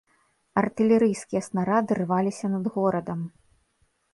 Артылерыйскія снарады рваліся над горадам.